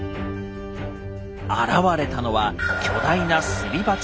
現れたのは巨大なすり鉢状の穴！